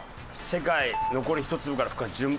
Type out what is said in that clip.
「世界残り１粒から復活」。